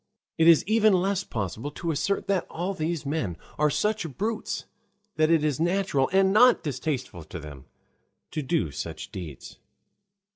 It is even less possible to assert that all these men are such brutes that it is natural and not distasteful to them to do such deeds.